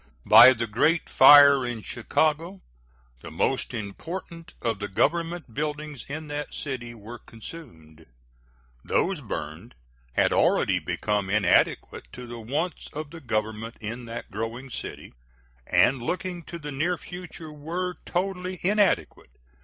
By the great fire in Chicago the most important of the Government buildings in that city were consumed. Those burned had already become inadequate to the wants of the Government in that growing city, and, looking to the near future, were totally inadequate.